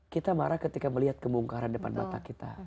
kita marah ketika melihat kemungkaran depan mata kita